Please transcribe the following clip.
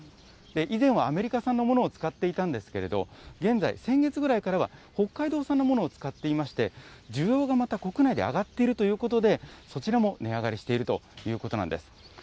以前はアメリカ産のものを使っていたんですけれど、現在、先月ぐらいからは北海道産のものを使っていまして、需要がまた国内で上がっているということで、そちらも値上がりしているということなんです。